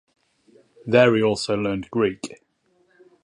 There he also learned Greek.